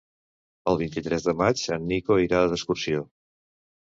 El vint-i-tres de maig en Nico irà d'excursió.